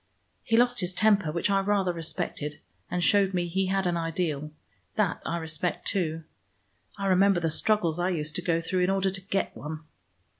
He lost his temper, which I rather respected, and showed me he had an ideal. That I respect too. I remember the struggles I used to go through in order to get one."